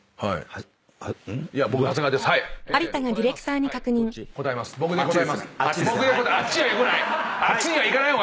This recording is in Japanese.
はいはーい！